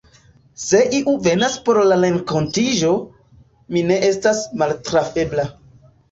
Se iu venas por la renkontiĝo, mi ne estas maltrafebla.